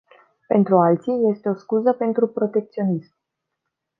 Pentru alții, este o scuză pentru protecționism.